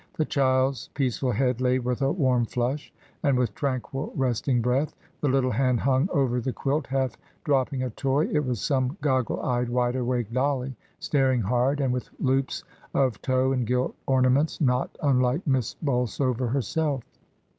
The child's peaceful head lay with a warm flush and with tranquil, resting breath; the little hand hung over the quilt, half dropping a toy, it was some goggle eyed, wide awake dolly, staring hard, and with loops of tow and gilt ornaments, not unlike Miss Bolsover herself.